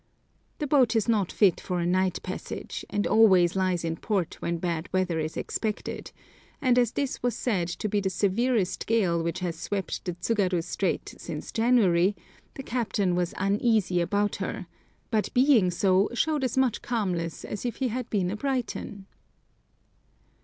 The boat is not fit for a night passage, and always lies in port when bad weather is expected; and as this was said to be the severest gale which has swept the Tsugaru Strait since January, the captain was uneasy about her, but being so, showed as much calmness as if he had been a Briton!